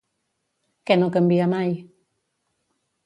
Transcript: Què no canvia mai?